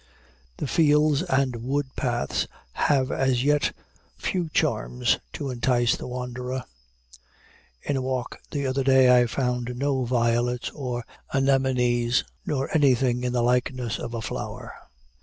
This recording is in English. The fields and wood paths have as yet few charms to entice the wanderer. In a walk the other day I found no violets nor anemones, nor anything in the likeness of a flower.